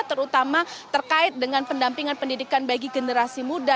terutama terkait dengan pendampingan pendidikan bagi generasi muda